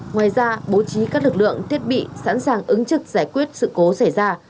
ngoài ra bố trí các lực lượng thiết bị sẵn sàng ứng trực giải quyết sự cố xảy ra